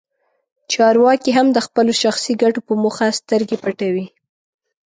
چارواکي هم د خپلو شخصي ګټو په موخه سترګې پټوي.